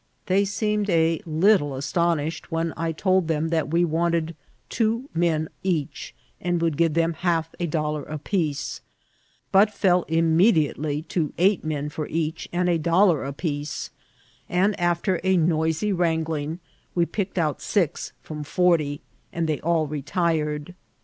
They seemed a little astonished when I told them that we wanted two men each, and would give them half a dollar apiece, but feU immediately to eight men for each, and a dollar apiece; and, after a noisy wran gling, we picked out six from forty, and they all retired.